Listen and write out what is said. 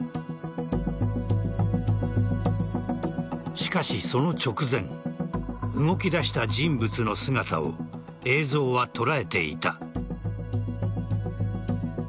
しかし、その直前動き出した人物の姿を映像は捉えていた。